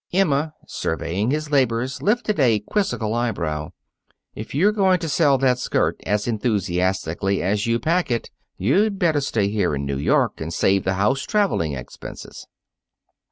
Emma, surveying his labors, lifted a quizzical eyebrow. "If you're going to sell that skirt as enthusiastically as you pack it, you'd better stay here in New York and save the house traveling expenses."